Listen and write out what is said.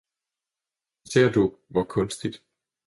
Ser du, hvor kunstigt!